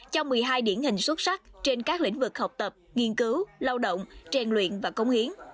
cho một mươi hai điển hình xuất sắc trên các lĩnh vực học tập nghiên cứu lao động trang luyện và cống hiến